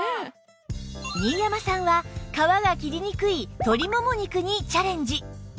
新山さんは皮が切りにくい鶏もも肉にチャレンジ